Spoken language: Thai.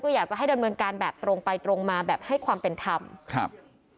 อยากจะให้ดำเนินการแบบตรงไปตรงมาแบบให้ความเป็นธรรมครับ